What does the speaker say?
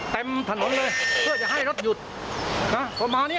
เต็มถนนเลยเพื่อจะให้รถหยุดนะประมาณเนี้ย